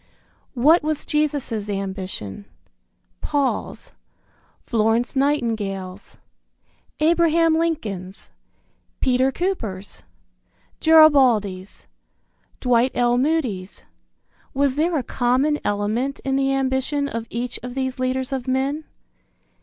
What was Jesus' ambition? Paul's? Florence Nightingale's? Abraham Lincoln's? Peter Cooper's? Garibaldi's? Dwight L. Moody's? Was there a common element in the ambition of each of these leaders of men?